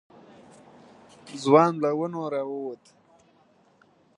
ځوان له ونو راووت.